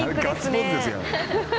ガッツポーズですやん。